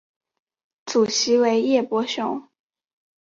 主席为叶柏雄。